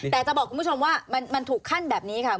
แต่จะบอกคุณผู้ชมว่ามันถูกขั้นแบบนี้ค่ะ